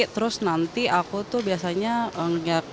terus nanti aku tuh biasanya nggak ngargain